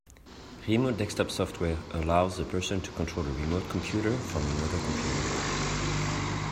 Remote desktop software allows a person to control a remote computer from another computer.